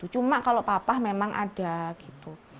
cuma kalau papa memang ada gitu